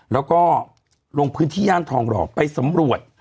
แล้วก็ลงพื้นที่ย่านทองหล่อไปสำรวจ